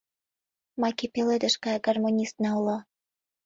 Маке пеледыш гай гармонистна уло.